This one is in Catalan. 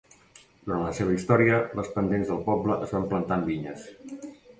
Durant la seva història, les pendents del poble es van plantar amb vinyes.